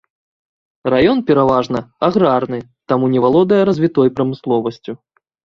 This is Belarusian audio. Раён, пераважна, аграрны, і таму не валодае развітой прамысловасцю.